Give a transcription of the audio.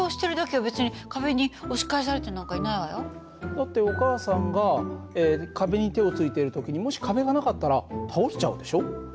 だってお母さんが壁に手をついている時にもし壁がなかったら倒しちゃうでしょ。